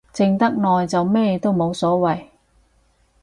靜得耐就咩都冇所謂